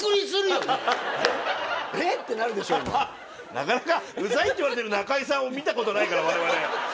なかなか「ウザい」って言われてる中居さんを見たことないからわれわれ。